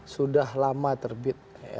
sudah lama terbit